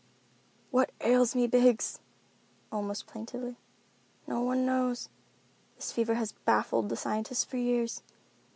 "What ails me, Biggs?" almost plaintively. "No one knows. This fever has baffled the scientists for years.